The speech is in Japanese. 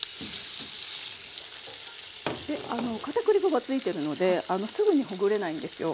かたくり粉が付いてるのですぐにほぐれないんですよ。